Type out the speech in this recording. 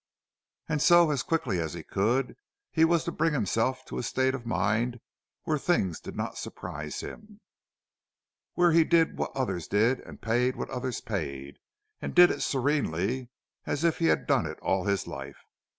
And so, as quickly as he could, he was to bring himself to a state of mind where things did not surprise him; where he did what others did and paid what others paid, and did it serenely, as if he had done it all his life.